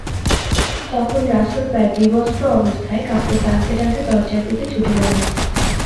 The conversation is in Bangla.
তখন রাসূল প্রায় বিবস্ত্র অবস্থায় কাপড় টানতে টানতে দরজার দিকে ছুটে গেলেন।